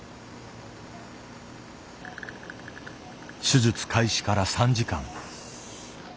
手術開始から３時間。